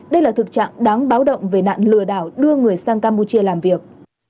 đây là thực trạng đáng báo động về nạn lừa đảo đưa người sang campuchia làm việc